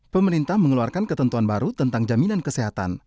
pemerintah mengeluarkan ketentuan baru tentang jaminan kesehatan